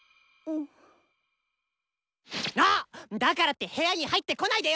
あっだからって部屋に入ってこないでよ